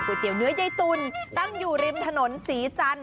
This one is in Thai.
เตี๋ยเนื้อใยตุลตั้งอยู่ริมถนนศรีจันทร์